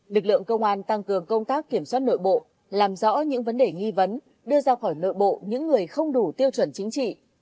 lực lượng công an tăng cường công tác kiểm soát nội bộ làm rõ những vấn đề nghi vấn đưa ra khỏi nội bộ những người không đủ tiêu chuẩn chính trị